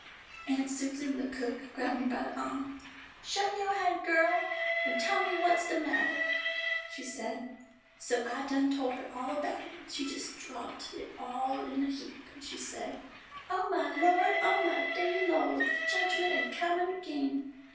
Aunt Susan, the cook, grab me by the ahm. 'Shut yo haid, girl, and tell me wha's de mattah,' she said. So I done told her all about it, and she just dropped all in a heap and she say: 'O my Lawd, O my deah Lawd, the judgment am a comin' agin!